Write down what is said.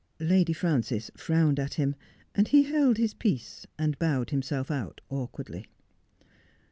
Lady Frances frowned at him, and he held his peace, and bowed himself out awkwardly.